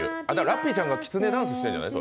ラッピーちゃんがきつねダンスしてるんじゃない？